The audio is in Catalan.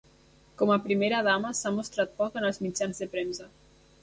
Com a primera dama, s'ha mostrat poc en els mitjans de premsa.